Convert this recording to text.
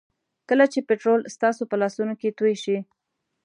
کله چې پټرول ستاسو په لاسونو کې توی شي.